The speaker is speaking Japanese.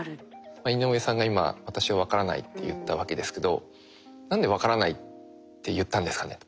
井上さんが今「私は分からない」って言ったわけですけど何で「分からない」って言ったんですかねと。